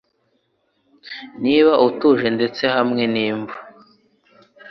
Niba utuje ndetse hamwe n'imva